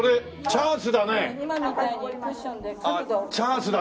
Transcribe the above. チャンスだね。